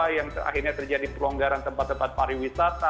yang akhirnya terjadi pelonggaran tempat tempat pariwisata